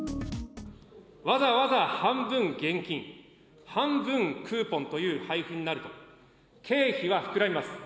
わざわざ半分現金、半分クーポンという配布になると、経費は膨らみます。